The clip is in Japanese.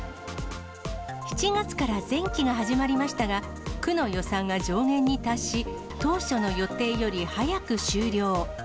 ７月から前期が始まりましたが、区の予算が上限に達し、当初の予定より早く終了。